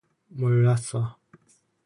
몰랐어.